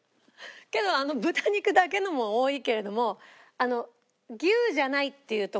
けどあの豚肉だけのも多いけれども牛じゃないっていうところで。